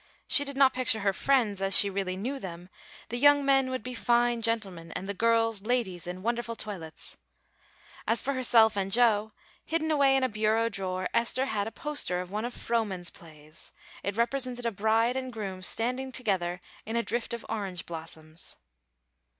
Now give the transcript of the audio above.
She did not picture her friends as she really knew them; the young men would be fine gentlemen, and the girls ladies in wonderful toilets. As for herself and Joe, hidden away in a bureau drawer Esther had a poster of one of Frohman's plays. It represented a bride and groom standing together in a drift of orange blossoms.